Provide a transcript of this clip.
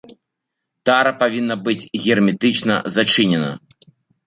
Тара павінна быць герметычна зачынена.